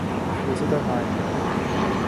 要識得嗌唔好